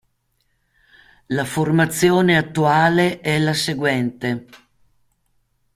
La formazione attuale è la seguente.